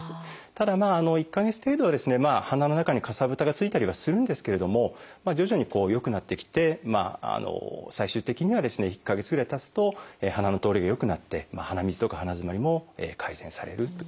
ただ１か月程度はですね鼻の中にかさぶたがついたりはするんですけれども徐々に良くなってきて最終的にはですね１か月ぐらいたつと鼻の通りが良くなって鼻水とか鼻づまりも改善されるという。